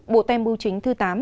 bộ tem bưu chính thứ tám